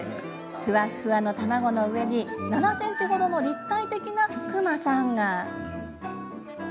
ふわっふわの卵の上に７ｃｍほどの立体的なくまさんが。